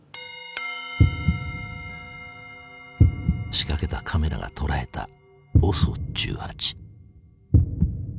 仕掛けたカメラが捉えたＯＳＯ１８。